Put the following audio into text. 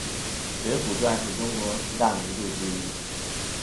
水浒传是中国的四大名著之一。